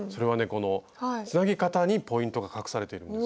このつなぎ方にポイントが隠されているんです。